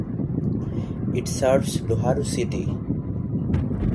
It serves Loharu city.